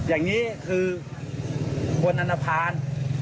อย่างนี้คือคนอนภาร